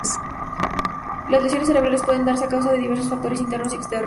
Las lesiones cerebrales pueden darse a causa de diversos factores internos y externos.